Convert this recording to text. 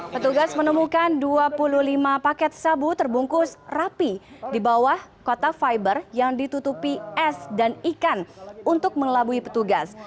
petugas menemukan dua puluh lima paket sabu terbungkus rapi di bawah kota fiber yang ditutupi es dan ikan untuk mengelabui petugas